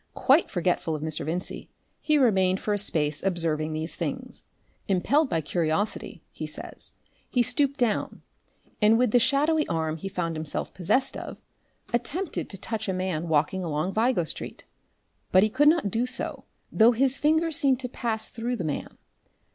Quite forgetful of Mr. Vincey, he remained for a space observing these things. Impelled by curiosity, he says, he stooped down, and, with the shadowy arm he found himself possessed of, attempted to touch a man walking along Vigo Street. But he could not do so, though his finger seemed to pass through the man.